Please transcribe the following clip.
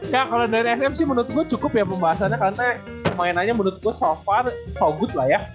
ya kalo dari sm sih menurut gue cukup ya pembahasannya karena kemainannya menurut gue so far so good lah ya